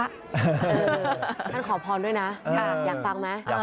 ท่านขอพรด้วยนะอยากฟังไหม